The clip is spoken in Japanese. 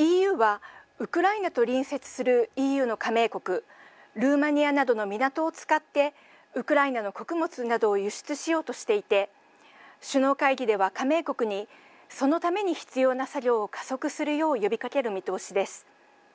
ＥＵは、ウクライナと隣接するＥＵの加盟国ルーマニアなどの港を使ってウクライナの穀物などを輸出しようとしていて首脳会議では、加盟国にそのために必要な作業を加速するよう呼びかける見通しです。